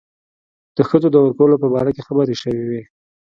د ښځو د ورکولو په باره کې خبرې شوې وې.